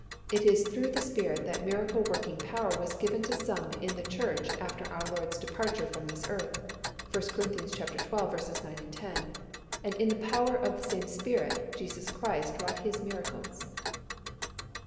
It is through the Spirit that miracle working power was given to some in the church after our Lord's departure from this earth (1 Cor. xii. 9, 10), and in the power of the same Spirit, Jesus Christ wrought His miracles.